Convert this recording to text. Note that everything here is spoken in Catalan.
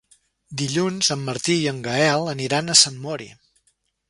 Dilluns en Martí i en Gaël aniran a Sant Mori.